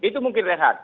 itu mungkin rehat